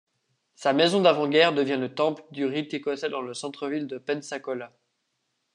Sa maison d'avant-guerre devient le temple du rite écossais dans le centre-ville de Pensacola.